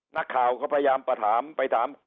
นักข่าวก็พยายามไปถาม